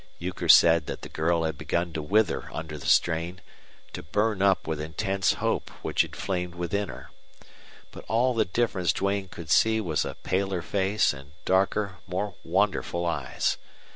Euchre said that the girl had begun to wither under the strain, to burn up with intense hope which had flamed within her. But all the difference Duane could see was a paler face and darker, more wonderful eyes.